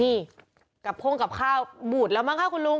นี่กระพ่งกับข้าวบูดแล้วมั้งคะคุณลุง